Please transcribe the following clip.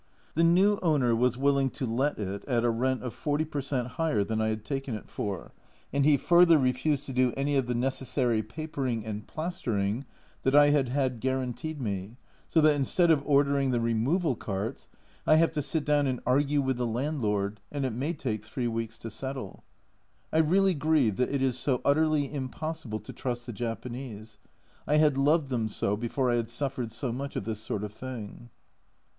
The new owner was willing to let it at a rent of 40% higher than I had taken it for, and he further refused to do any of the necessary papering and 134 A Journal from Japan plastering that I had had guaranteed me, so that instead of ordering the removal carts, I have to sit down and argue with the landlord, and it may take three weeks to settle. I really grieve that it is so utterly impossible to trust the Japanese ; I had loved them so before I had suffered so much of this sort of thing.